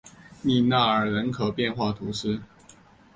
利纳尔人口变化图示